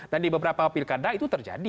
dan di beberapa pilkada itu terjadi